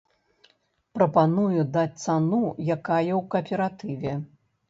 Прапануе даць цану, якая ў кааператыве.